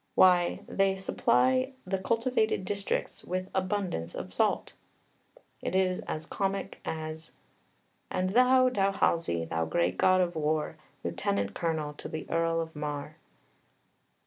Why, they "supply the cultivated districts with abundance of salt." It is as comic as "And thou Dalhousie, thou great God of War, Lieutenant Colonel to the Earl of Mar."